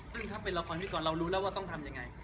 เพราะเรารู้แล้วว่าต้องทำยังไง